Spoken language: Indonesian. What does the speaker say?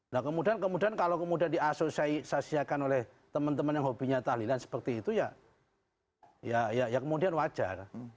nah kemudian kalau kemudian diasosiasiakan oleh teman teman yang hobinya tahlilan seperti itu ya kemudian wajar